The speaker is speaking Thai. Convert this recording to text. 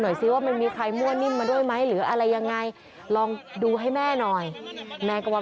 หน่อยซื้อว่าไม่มีใครมั่วนิ่มมาด้วยไหมหรืออะไรยังไงลองดูให้แม่หน่อยแม่ความ